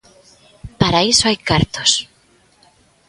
Para iso hai cartos.